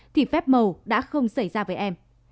thì phép mầu đã không xảy ra với em